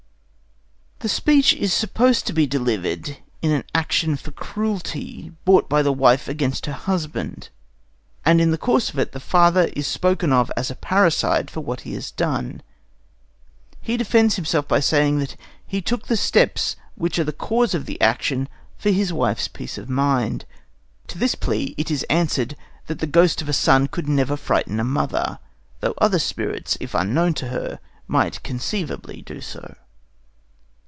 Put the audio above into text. The speech is supposed to be delivered in an action for cruelty brought by the wife against her husband, and in the course of it the father is spoken of as a parricide for what he has done. He defends himself by saying that he took the steps which are the cause of the action for his wife's peace of mind. To this plea it is answered that the ghost of a son could never frighten a mother, though other spirits, if unknown to her, might conceivably do so.